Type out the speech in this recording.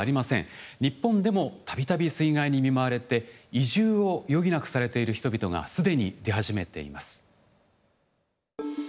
日本でもたびたび水害に見舞われて移住を余儀なくされている人々がすでに出始めています。